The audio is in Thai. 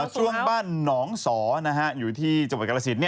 ส่วนบ้านหนองสออยู่ที่จบวนกาลสิน